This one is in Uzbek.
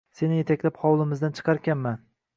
Seni yetaklab hovlimizdan chiqarkanman